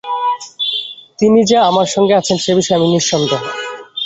তিনি যে আমার সঙ্গে সঙ্গে আছেন, সে বিষয়ে আমি নিঃসন্দেহ।